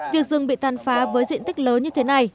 việc rừng bị tàn phá với diện tích lớn như thế này